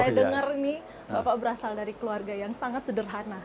saya dengar ini bapak berasal dari keluarga yang sangat sederhana